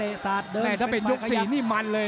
หรือว่าผู้สุดท้ายมีสิงคลอยวิทยาหมูสะพานใหม่